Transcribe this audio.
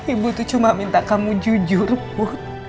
ibu itu cuma minta kamu jujur put